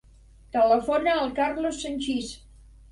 Telefona al Carlos Sanchis.